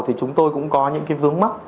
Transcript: thì chúng tôi cũng có những cái vướng mắt